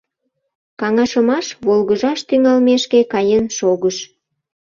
Каҥашымаш волгыжаш тӱҥалмешке каен шогыш.